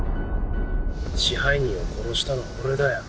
支配人を殺したのは俺だよ。